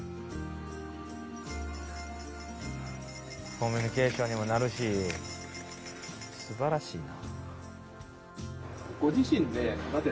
コミュニケーションにもなるしすばらしいな。